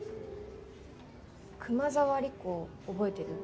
熊沢理子覚えてる？